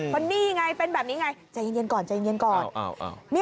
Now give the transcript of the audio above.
วันนี้ไงเป็นแบบนี้ไงใจเย็นก่อน